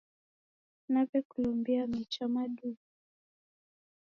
Naw'ekulombia mecha maduu.